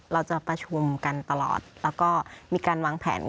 เราจะประชุมกันตลอดแล้วก็มีการวางแผน